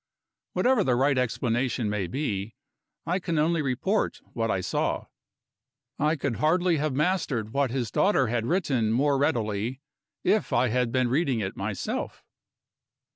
Whatever the right explanation may be, I can only report what I saw. I could hardly have mastered what his daughter had written more readily, if I had been reading it myself.